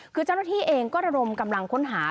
คือเจ้าหน้าที่เองก็ระดมกำลังค้นหา